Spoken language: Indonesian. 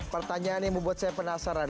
pertanyaan yang membuat saya penasaran